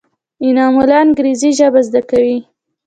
انعام الله انګرېزي ژبه زده کوي.